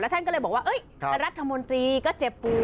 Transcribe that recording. ท่านก็เลยบอกว่ารัฐมนตรีก็เจ็บปวด